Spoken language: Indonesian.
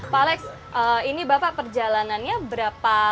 pak alex ini bapak perjalanannya berapa